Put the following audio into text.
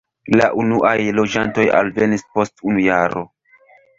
La unuaj loĝantoj alvenis post unu jaro.